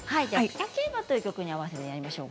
「草競馬」という曲に合わせてやってみましょう。